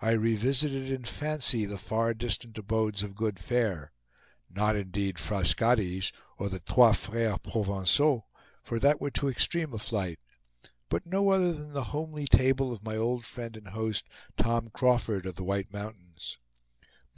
I revisited in fancy the far distant abodes of good fare, not indeed Frascati's, or the Trois Freres Provencaux, for that were too extreme a flight; but no other than the homely table of my old friend and host, Tom Crawford, of the White Mountains.